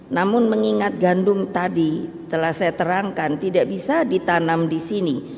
namun mengingat gandum tadi telah saya terangkan tidak bisa ditanam di sini